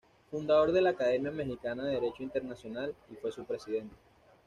Fundador de la Academia Mexicana de Derecho Internacional y fue su Presidente.